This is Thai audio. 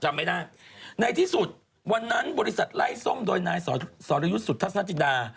จำไม่ได้ในที่สุดวันนั้นบริษัทไล่ส้มโดยนายสรยุทธ์สุทัศจิดา